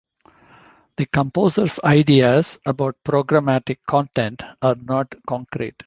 The composer's ideas about programmatic content are not concrete.